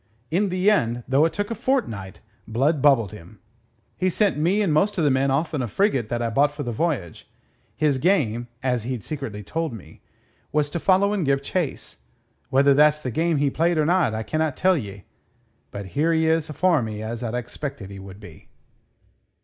In the end, though it took a fortnight, Blood bubbled him. He sent me and most o' the men off in a frigate that I bought for the voyage. His game as he'd secretly told me was to follow and give chase. Whether that's the game he played or not I can't tell ye; but here he is afore me as I'd expected he would be."